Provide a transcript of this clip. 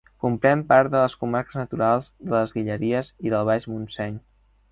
Comprèn part de les comarques naturals de les Guilleries i del Baix Montseny.